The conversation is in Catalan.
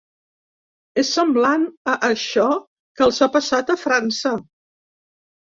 És semblant a això que els ha passat a França.